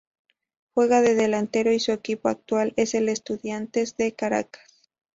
Juega de delantero y su equipo actual es el Estudiantes de Caracas.